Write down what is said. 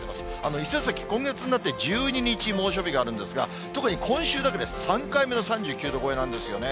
伊勢崎、今月になって１２日猛暑日があるんですが、特に今週だけで、３回目の３９度超えなんですよね。